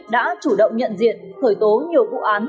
đã chủ động nhận diện khởi tố nhiều vụ án